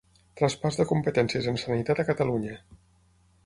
Traspàs de competències en sanitat a Catalunya.